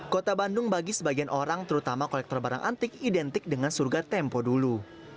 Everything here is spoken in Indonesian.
kota bandung bagi sebagian orang terutama kolektor barang antik identik dengan surga tempo dulu